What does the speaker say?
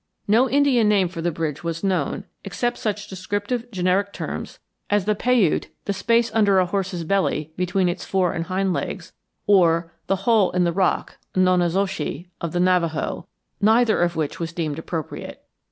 "No Indian name for the bridge was known, except such descriptive generic terms as the Paiute 'The space under a horse's belly between its fore and hind legs,' or the 'Hole in the rock' (nonnezoshi) of the Navajo, neither of which was deemed appropriate.